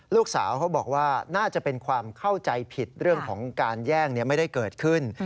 ลูกสาวเขาบอกว่าน่าจะเป็นความเข้าใจผิดเรื่องของการแย่งไม่ได้เกิดขึ้น